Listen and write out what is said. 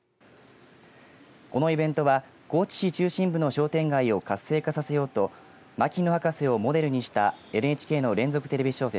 このイベントは高知市中心部の商店街を活性化させようと牧野博士をモデルにしたＮＨＫの連続テレビ小説